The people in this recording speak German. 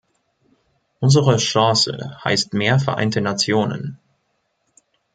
Unsere Chance heißt mehr Vereinte Nationen.